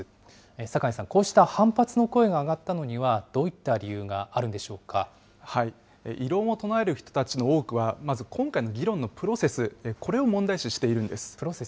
坂井さん、こうした反発の声が上がったのには、どういった理由が異論を唱える人たちの多くは、まず今回の議論のプロセス、これを問題視しているんです。